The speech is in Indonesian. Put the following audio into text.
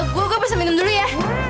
gue gue bisa minum dulu ya